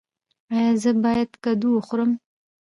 ایا زه باید کدو وخورم؟